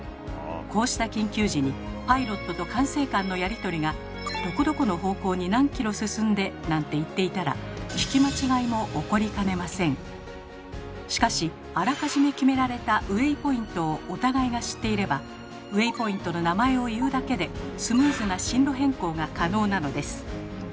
こうした緊急時にパイロットと管制官のやり取りがどこどこの方向に何キロ進んでなんて言っていたらしかしあらかじめ決められた「ウェイポイント」をお互いが知っていればウェイポイントの名前を言うだけでスムーズな進路変更が可能なのです。